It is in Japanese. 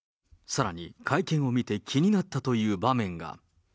さらに会見を見て気になったという場面が。